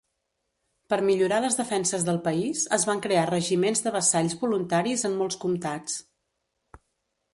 Per millorar les defenses del país, es van crear regiments de vassalls voluntaris en molts comtats.